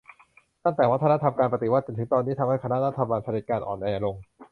ตั้งแต่วัฒนธรรมการปฎิวัติจนถึงตอนนี้ทำให้คณะรัฐบาลเผด็จการอ่อนแอลง